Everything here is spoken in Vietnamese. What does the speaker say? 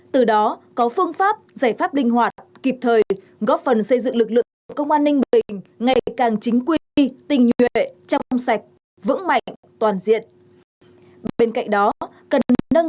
từ đó có phương pháp giải pháp linh hoạt kịp thời góp phần xây dựng lực lượng của công an ninh bình ngày càng chính quy tình nguyện